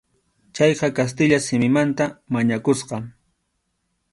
Chayqa kastilla simimanta mañakusqa.